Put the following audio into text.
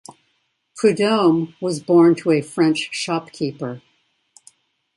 Prudhomme was born to a French shopkeeper.